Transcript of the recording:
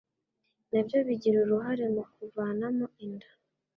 nabyo bigira uruhare mu kuvanamo inda